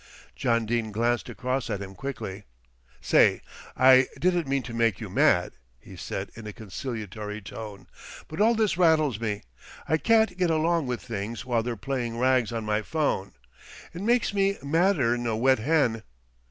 John Dene glanced across at him quickly. "Say, I didn't mean to make you mad," he said in a conciliatory tone; "but all this rattles me. I can't get along with things while they're playing rags on my 'phone. It makes me madder'n a wet hen."